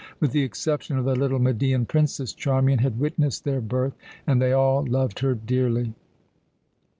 With the exception of the little Median princess, Charmian had witnessed their birth, and they all loved her dearly.